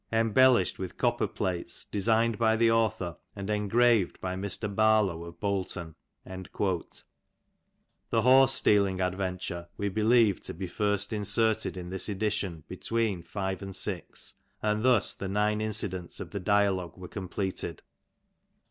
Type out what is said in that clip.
Embellished with " copperplates, designed by the author and engraved by Mr. Barlow " of Bolton .'*'' The horse stealing adventure we believe to be first inserted in this edition between 5 and 6, and thus the nine inci dents of the dialogue were completed.